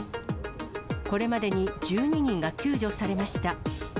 これまでに１２人が救助されました。